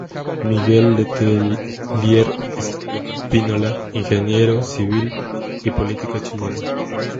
Miguel Letelier Espínola: Ingeniero civil y político chileno.